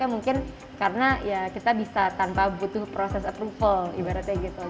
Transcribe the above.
mungkin karena ya kita bisa tanpa butuh proses approval ibaratnya gitu